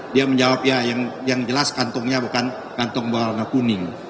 dia menjawab ya yang jelas kantongnya bukan kantong berwarna kuning